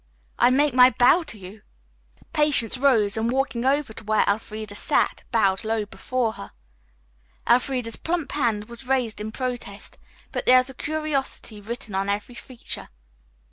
I make my bow to you." Patience rose and, walking over to where Elfreda sat, bowed low before her. Elfreda's plump hand was raised in protest, but there was curiosity written on every feature.